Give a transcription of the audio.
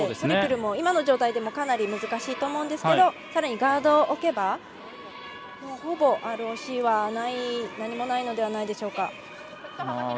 トリプルも今の状態でもかなり難しいと思うんですがさらにガードを置けばほぼＲＯＣは何もないのではないでしょうか。